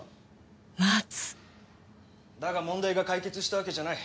松だが問題が解決したわけじゃない。